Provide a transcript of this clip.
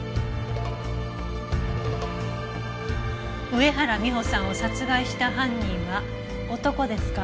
上原美帆さんを殺害した犯人は女ですか。